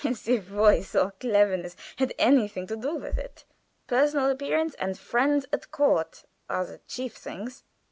"As if voice or cleverness had anything to do with it. Personal appearance and friends at court are the chief things.